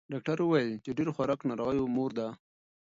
ډاکتر ویل چې ډېر خوراک د ناروغیو مور ده.